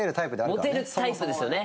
モテるタイプですよね。